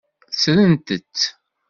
Ttrent-t.